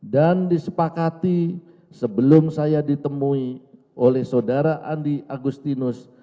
dan disepakati sebelum saya ditemui oleh saudara andi agustinus